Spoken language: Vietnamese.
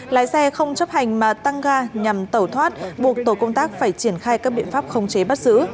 lái xe không chấp hành mà tăng ga nhằm tẩu thoát buộc tổ công tác phải triển khai các biện pháp khống chế bắt giữ